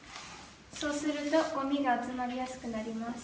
そうするとごみが集まりやすくなります。